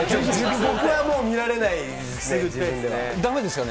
僕はもう、見られないですね。